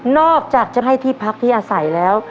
อกจากจะให้ที่พักที่อาศัยแล้ว